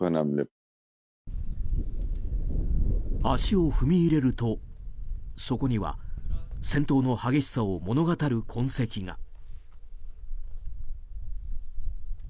足を踏み入れると、そこには戦闘の激しさを物語る痕跡が。